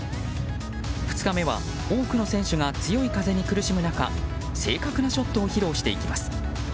２日目は、多くの選手が強い風に苦しむ中正確なショットを披露していきます。